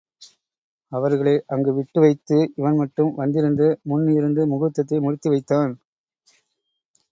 அவர்களை அங்கு விட்டு வைத்து இவன் மட்டும் வந்திருந்து முன் இருந்து முகூர்த்தத்தை முடித்து வைத்தான்.